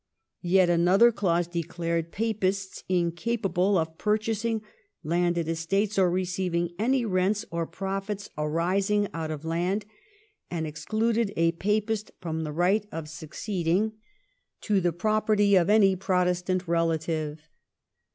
Yet another clause declared Papists incapable of purchasing landed estates or receiving any rents or profits arising out of land, and excluded a Papist from the right of succeeding to the 1703 ANTI CATHOLIC MEASURES. 201 property of any Protestant relative.